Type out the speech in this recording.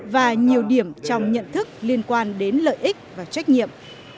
và nhiều điểm trong nhận thức liên quan đến lợi ích và trách nhiệm